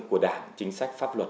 của đảng chính sách pháp luật